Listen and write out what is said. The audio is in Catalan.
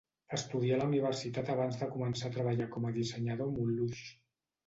Estudià a la universitat abans de començar a treballar com a dissenyador a Mulhouse.